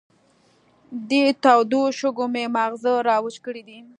دې تودو شګو مې ماغزه را وچ کړې دي.